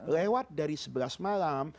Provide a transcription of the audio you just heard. lewat dari sebelas malam